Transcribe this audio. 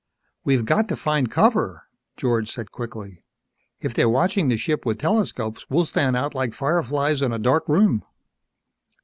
"We've got to find cover," George said quickly. "If they're watching the ship with telescopes we'll stand out like fireflies in a dark room!"